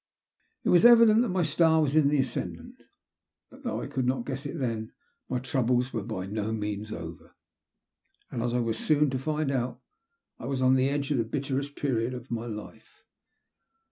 It was evident that my star was in the as cendant, but, though I could not guess it then, my troubles were by no means over ; and, as I was soon to find out, I was on the edge of the bitterest period of all my life.